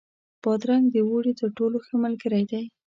بادرنګ د اوړي تر ټولو ښه ملګری دی.